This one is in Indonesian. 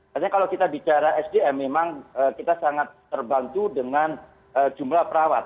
karena kalau kita bicara sdm memang kita sangat terbantu dengan jumlah perawat